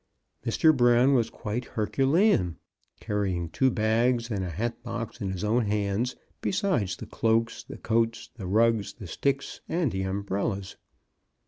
Mr. Brown was quite Herculean, carrying two bags and a hatbox in his own hands, besides the cloaks, the coats, the rugs, the sticks, and the umbrellas.